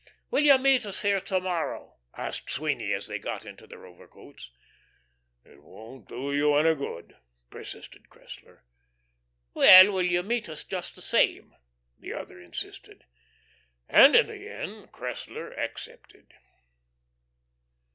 "Will you meet us here to morrow?" asked Sweeny, as they got into their overcoats. "It won't do you any good," persisted Cressler. "Well, will you meet us just the same?" the other insisted. And in the end Cressler accepted.